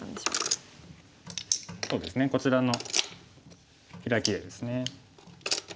そうですねこちらのヒラキでですね。